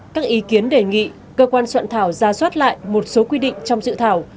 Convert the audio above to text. các ý kiến đề nghị cơ quan soạn thảo ra soát lại một số quy định trong dự thảo